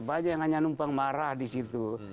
banyak yang hanya numpang marah di situ